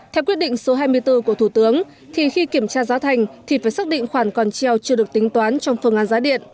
theo quyết định số hai mươi bốn của thủ tướng thì khi kiểm tra giá thành thì phải xác định khoản còn treo chưa được tính toán trong phương án giá điện